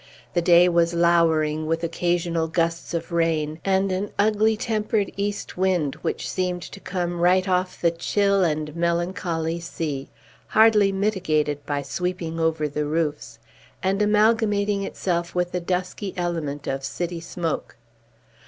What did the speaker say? The day was lowering, with occasional gusts of rain, and an ugly tempered east wind, which seemed to come right off the chill and melancholy sea, hardly mitigated by sweeping over the roofs, and amalgamating itself with the dusky element of city smoke.